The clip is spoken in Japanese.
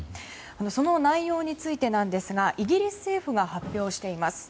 その内容についてなんですがイギリス政府が発表しています。